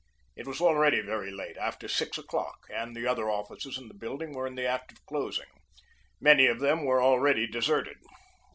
It was already very late, after six o'clock, and the other offices in the building were in the act of closing. Many of them were already deserted.